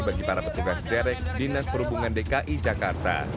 bagi para petugas derek dinas perhubungan dki jakarta